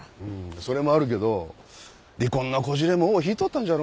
それもあるけど離婚のこじれも尾を引いとったんじゃろうな。